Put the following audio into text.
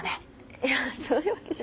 いやそういうわけじゃ。